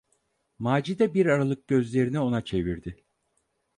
Macide bir aralık gözlerini ona çevirdi.